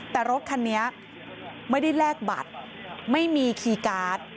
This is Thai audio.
แต่รถคันนี้ไม่ได้แลกบัตรไม่มีคีย์การ์ด